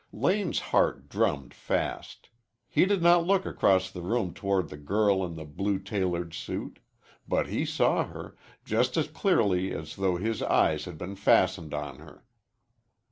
Lane's heart drummed fast. He did not look across the room toward the girl in the blue tailored suit. But he saw her, just as clearly as though his eyes had been fastened on her.